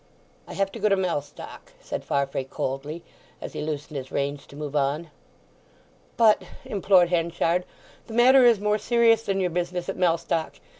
"I have to go to Mellstock," said Farfrae coldly, as he loosened his reins to move on. "But," implored Henchard, "the matter is more serious than your business at Mellstock.